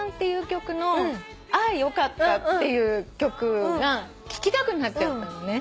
花さん『あよかった』っていう曲が聴きたくなっちゃったのね。